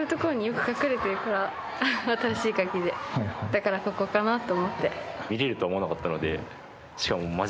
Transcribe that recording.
だからここかなと思って。